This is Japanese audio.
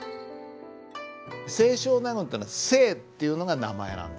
清少納言というのは「清」っていうのが名前なんです。